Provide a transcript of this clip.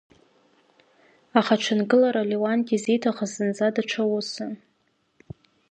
Аха аҽынкылара Леуанти изиҭахыз зынӡа даҽа усын…